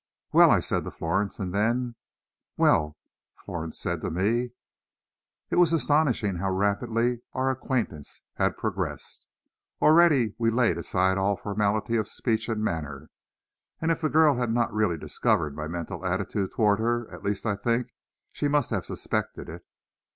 "Well?" I said to Florence, and then, "Well?" Florence said to me. It was astonishing how rapidly our acquaintance had progressed. Already we had laid aside all formality of speech and manner, and if the girl had not really discovered my mental attitude toward her, at least I think she must have suspected it.